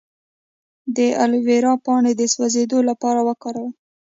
د الوویرا پاڼې د سوځیدو لپاره وکاروئ